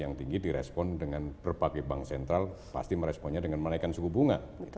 yang tinggi direspon dengan berbagai bank sentral pasti meresponnya dengan menaikkan suku bunga